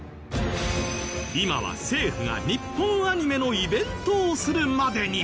今は政府が日本アニメのイベントをするまでに。